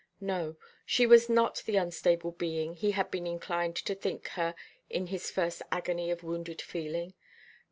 No, she was not the unstable being he had been inclined to think her in his first agony of wounded feeling.